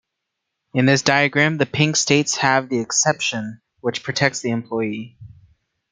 In this diagram, the pink states have the 'exception', which protects the employee.